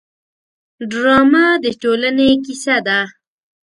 ډرامه د ټولنې کیسه ده